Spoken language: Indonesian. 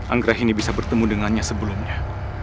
anggrahini bisa bertemu dengannya sebelumnya